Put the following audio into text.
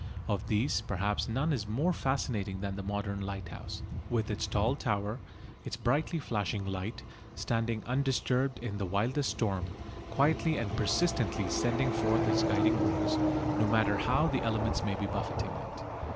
Of these perhaps none is more fascinating than the modern lighthouse, with its tall tower, its brightly flashing light, standing undisturbed in the wildest storm, quietly and persistently sending forth its guiding rays, no matter how the elements may be buffeting it.